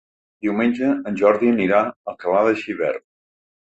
Diumenge en Jordi anirà a Alcalà de Xivert.